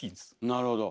なるほど。